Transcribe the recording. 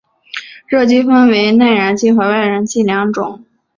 热机分为内燃机和外燃机两种。